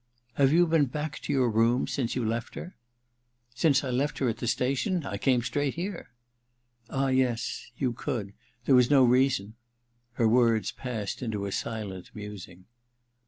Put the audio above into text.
•Have you been back to your rooms since you left her ?'* Since I left her at the station ? I came straight here,' • r I ■> I THE DILETTANTE 273 *Ah, yes — you could: there was no reason Her words passed into a silent musing.